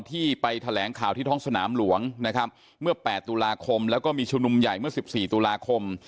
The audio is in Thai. ที่ไปแถลงข่าวที่ท้องสนามหลวงนะครับเมื่อ๘ตุลาคมแล้วก็มีชุมนุมใหญ่เมื่อ๑๔ตุลาคม